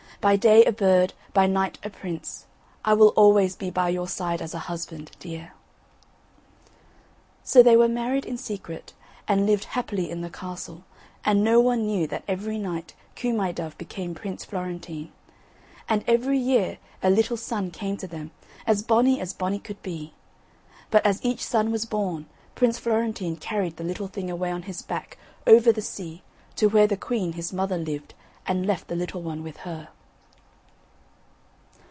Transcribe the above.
By day a bird, by night a prince, I will always be by your side as a husband, dear." So they were married in secret and lived happily in the castle and no one knew that every night Coo my dove became Prince Florentine. And every year a little son came to them as bonny as bonny could be. But as each son was born Prince Florentine carried the little thing away on his back over the sea to where the queen his mother lived and left the little one with her.